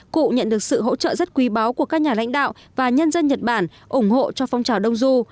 cụ nhận được sự hỗ trợ rất quý báu của các nhà lãnh đạo và nhân dân nhật bản ủng hộ cho phong trào đông du